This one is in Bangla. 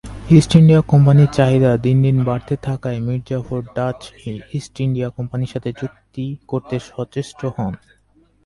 ইস্ট ইন্ডিয়া কোম্পানির চাহিদা দিন দিন বাড়তে থাকায় Mir Jafar Dutch East India কোম্পানির সাথে চুক্তি করতে সচেষ্ট হন।